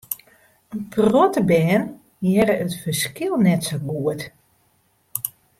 In protte bern hearre it ferskil net sa goed.